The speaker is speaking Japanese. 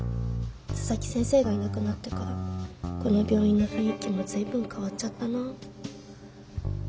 佐々木先生がいなくなってからこの病院の雰囲気も随分変わっちゃったな。